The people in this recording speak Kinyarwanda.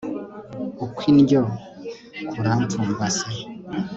ukw'indyo kurampfumbase